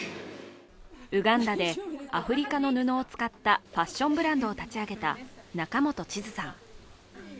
ウガンダでアフリカの布を使ったファッションブランドを立ち上げた仲本千津さん。